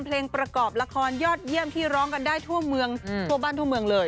เพลงประกอบละครยอดเยี่ยมที่ร้องกันได้ทั่วเมืองทั่วบ้านทั่วเมืองเลย